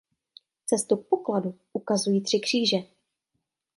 Cestu k pokladu ukazují tři kříže.